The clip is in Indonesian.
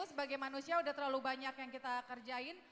sebagai manusia udah terlalu banyak yang kita kerjain